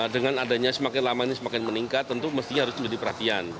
dengan adanya semakin lama ini semakin meningkat tentu mestinya harus menjadi perhatian